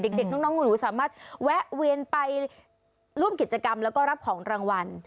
เด็กน้องหนูสามารถแวะเวียนไปร่วมกิจกรรมแล้วก็รับของรางวัล